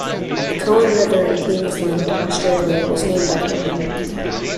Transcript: The Coen River in Queensland, Australia was named after him.